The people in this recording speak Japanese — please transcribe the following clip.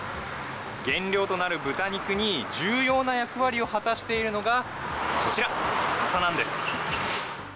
原料となる豚肉に重要な役割を果たしているのが、こちら、ささなんです。